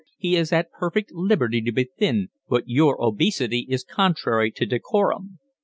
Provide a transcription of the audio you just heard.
He is at perfect liberty to be thin, but your obesity is contrary to decorum."